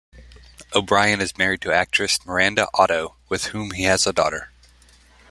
O'Brien is married to actress Miranda Otto, with whom he has a daughter.